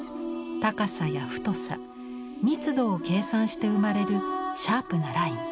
高さや太さ密度を計算して生まれるシャープなライン。